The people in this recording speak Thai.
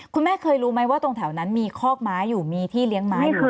คุณแม่เคยรู้ไหมว่าตรงแถวนั้นมีคอกไม้อยู่มีที่เลี้ยงไม้